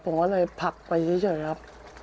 ผมก็เลยผลักไปเฉยครับ